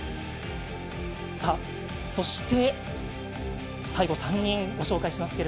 そして、最後３人ご紹介します。